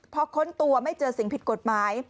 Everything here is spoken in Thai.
พอค้นตัวไม่เจอสิ่งผิดกฎหมาย